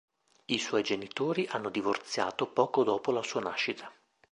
I suoi genitori hanno divorziato poco dopo la sua nascita.